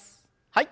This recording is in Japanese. はい。